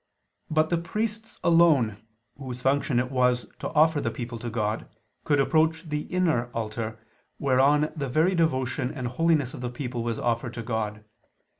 But the priests alone, whose function it was to offer the people to God, could approach the inner altar, whereon the very devotion and holiness of the people was offered to God.